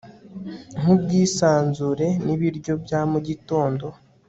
nkubwisanzure nibiryo bya mugitondo